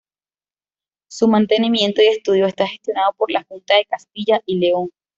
Su mantenimiento y estudio está gestionado por la Junta de Castilla y León.